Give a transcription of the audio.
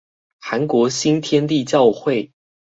韓國新天地教會